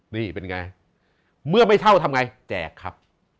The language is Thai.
นี่เป็นไงเมื่อไม่เช่าทำไงแจกครับ